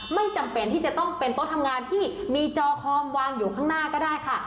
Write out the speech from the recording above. ไม่จำเป็นที่จะต้องเป็นโต๊ะทำงานที่มีจอคอมวางอยู่ข้างหน้าก็ได้ค่ะ